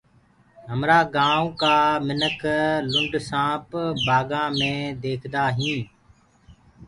همرآ گآئونٚ ڪآ لِنڊ سآنپ بآگآنٚ مي ديکدآ هينٚ۔